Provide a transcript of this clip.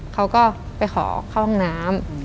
เขาก็ไปขอเข้าห้องน้ำ